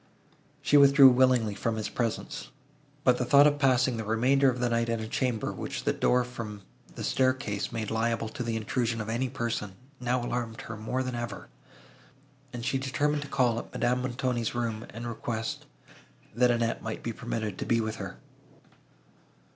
She withdrew willingly from his presence; but the thought of passing the remainder of the night in a chamber, which the door from the staircase made liable to the intrusion of any person, now alarmed her more than ever, and she determined to call at Madame Montoni's room, and request, that Annette might be permitted to be with her.